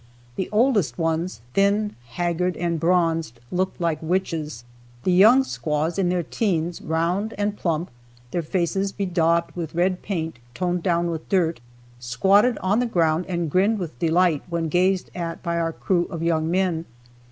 The oldest ones, thin, haggard and bronzed, looked like witches. The young squaws, in their teens, round and plump, their faces bedaubed with red paint toned down with dirt, squatted on the ground and grinned with delight when gazed at by our crew of young men.